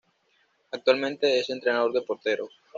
Actualmente es entrenador de porteros.